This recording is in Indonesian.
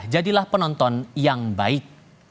jadilah penonton yang baik